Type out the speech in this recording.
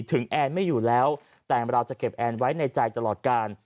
แอนไม่อยู่แล้วแต่เราจะเก็บแอนไว้ในใจตลอดการ